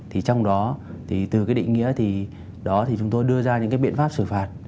thì trong đó thì từ cái định nghĩa thì đó thì chúng tôi đưa ra những cái biện pháp xử phạt